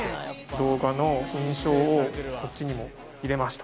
動画の印象をこっちにも入れました。